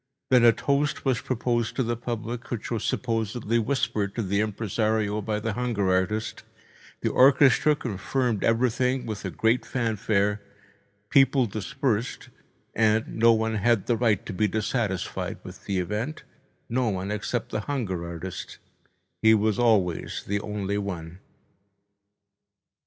Then a toast was proposed to the public, which was supposedly whispered to the impresario by the hunger artist, the orchestra confirmed everything with a great fanfare, people dispersed, and no one had the right to be dissatisfied with the event, no one except the hunger artist—he was always the only one.